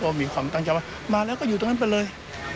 ก็มีความตั้งใจว่ามาแล้วก็อยู่ตรงนั้นไปเลย